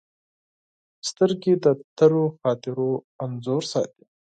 سترګې د تېرو خاطرو انځور ساتي